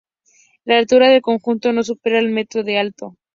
La altura del conjunto no supera el metro de alto.